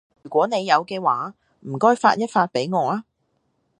如果你有嘅話，唔該發一發畀我啊